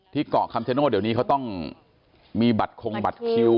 เกาะคำชโนธเดี๋ยวนี้เขาต้องมีบัตรคงบัตรคิว